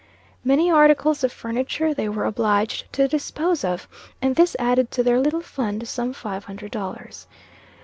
Many articles of furniture they were obliged to dispose of, and this added to their little fund some five hundred dollars.